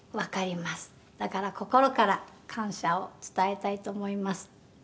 「だから心から感謝を伝えたいと思います」